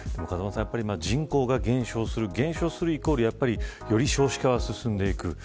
風間さん人口が減少するイコールより少子化が進んでいく。